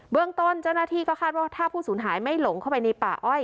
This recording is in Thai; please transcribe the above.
เรื่องต้นเจ้าหน้าที่ก็คาดว่าถ้าผู้สูญหายไม่หลงเข้าไปในป่าอ้อย